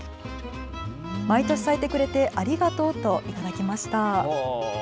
毎年咲いてくれてありがとうと頂きました。